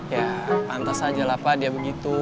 ya pantas saja lah pak dia begitu